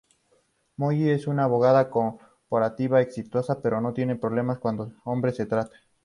Molly es una abogada corporativa exitosa pero tiene problemas cuando de hombres se trata.